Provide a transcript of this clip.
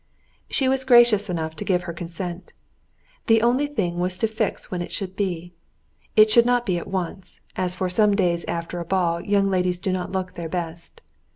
She was gracious enough to give her consent. The only thing was to fix when it should be. It could not be at once, as for some days after a ball young ladies do not look their best.